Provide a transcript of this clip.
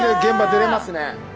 出れますね。